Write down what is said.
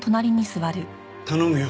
頼むよ。